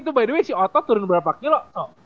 eh tapi itu btw si oto turun berapa kilo